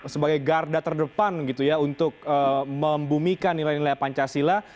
sebagai garda terdepan gitu ya untuk membumikan nilai nilai pancasila